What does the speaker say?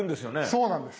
そうなんです。